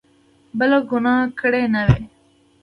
بله ګناه کړې نه وي.